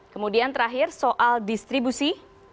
kemudian terakhir soal distribusi